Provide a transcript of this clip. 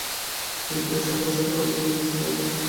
কিন্তু এ-সব প্রশ্নের সর্বজনীন উত্তর সম্ভব নয়।